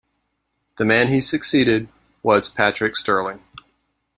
The man he succeeded was Patrick Stirling.